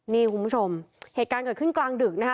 นี่คุณผู้ชมเหตุการณ์เกิดขึ้นกลางดึกนะคะ